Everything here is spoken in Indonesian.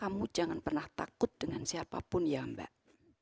kamu jangan pernah takut dengan siapapun ya mbak